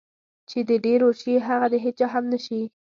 چې د ډېرو شي هغه د هېچا هم نشي.